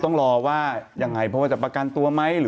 ต้องรอว่ายังไงเพราะว่าจะประกันตัวไหม